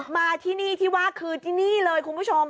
มาที่นี่ที่ว่าคือที่นี่เลยคุณผู้ชม